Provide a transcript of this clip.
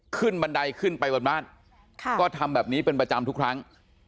บันไดขึ้นไปบนบ้านก็ทำแบบนี้เป็นประจำทุกครั้ง